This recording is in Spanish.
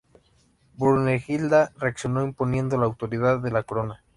Brunegilda reaccionó imponiendo la autoridad de la corona.